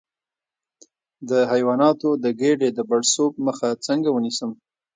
د حیواناتو د ګیډې د پړسوب مخه څنګه ونیسم؟